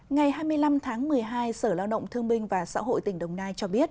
ngày hai mươi năm tháng một mươi hai sở lao động thương minh và xã hội tỉnh đồng nai cho biết